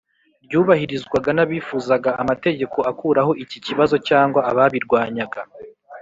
ryubahirizwaga n' abifuzaga amategeko akuraho iki kibazo cg ababirwanyaga?